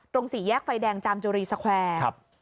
สี่แยกไฟแดงจามจุรีสแควร์